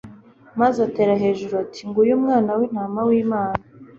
maze atera hejuru ati : «Nguyu Umwana w'Intama w'Imana! »